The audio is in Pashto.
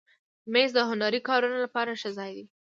مېز د هنري کارونو لپاره ښه ځای دی.